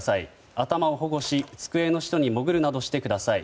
頭を保護し、机の下にもぐるなどしてください。